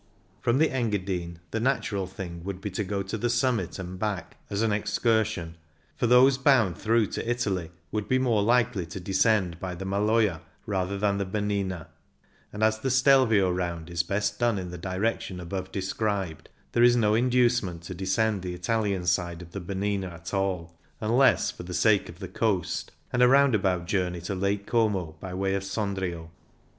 From the Engadine the natural thing would be to go to the summit and back as an excursion, for those bound through for Italy would be more likely to descend by the Maloja rather than the Bernina ; and as the Stelvio round is best done in the direction above described, there is no in ducement to descend the Italian side of the Bernina at all, unless for the sake of 42 CYCLING IN THE ALPS the coast, and a roundabout journey to Lake Como by way of Sondrio.